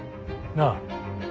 なあ。